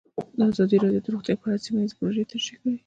ازادي راډیو د روغتیا په اړه سیمه ییزې پروژې تشریح کړې.